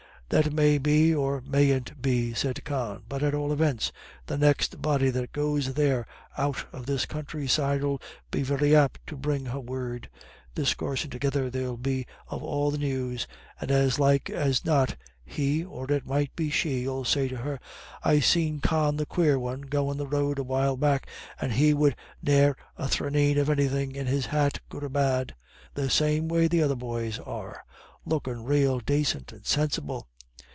"That may be or mayn't be," said Con. "But at all evints the next body that goes there out of this countryside 'ill be very apt to bring her word. Discoorsin' together they'll be of all the news, and as like as not he or it might be she 'ill say to her 'I seen Con the Quare One goin' the road a while back, and he wid ne'er a thraneen of anythin' in his hat, good or bad; the same way the other boys are; lookin' rael dacint and sinsible.'